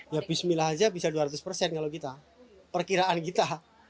ya bismillah aja bisa dua ratus persen kalau kita perkiraan kita